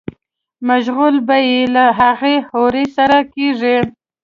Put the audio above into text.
مشغولا به ئې له هغې حورې سره کيږي